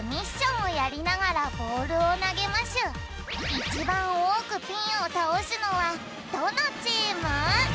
いちばんおおくピンをたおすのはどのチーム？